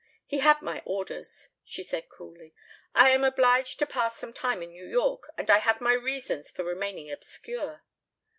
"He had my orders," she said coolly. "I am obliged to pass some time in New York and I have my reasons for remaining obscure."